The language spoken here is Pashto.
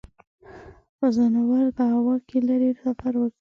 فضانورد په هوا کې لیرې سفر وکړي.